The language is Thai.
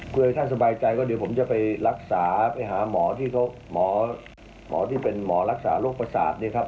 เพื่อให้ท่านสบายใจก็เดี๋ยวผมจะไปรักษาไปหาหมอที่หมอที่เป็นหมอรักษาโรคประสาทเนี่ยครับ